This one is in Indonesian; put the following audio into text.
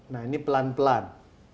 nah ini pelan pelan